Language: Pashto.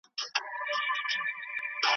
بهر ته د محصلانو لېږل ښه پايله لري.